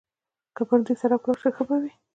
که پر همدې سړک ولاړ شو، ښه به وي.